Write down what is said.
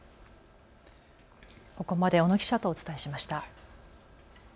ここまで小野記者とお伝えしました。